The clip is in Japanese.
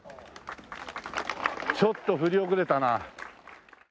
ちょっと振り遅れたな。